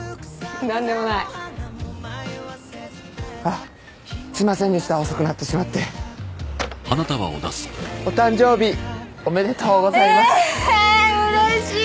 なんでもないあっすいませんでした遅くなってしまってお誕生日おめでとうございますええーうれしい！